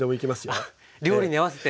料理に合わせて。